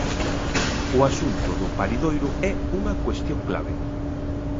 O asunto do paridoiro é unha cuestión clave.